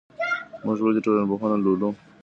موږ ولي ټولنپوهنه لولو؟